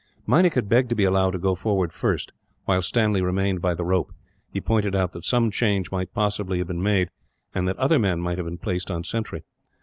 Meinik had begged to be allowed to go forward first, while Stanley remained by the rope. He pointed out that some change might possibly have been made, and that other men might have been placed on sentry.